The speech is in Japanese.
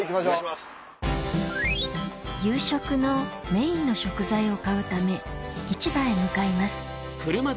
夕食のメインの食材を買うため市場へ向かいます